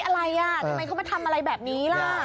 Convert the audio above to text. อะไรอ่ะทำไมเขามาทำอะไรแบบนี้ล่ะ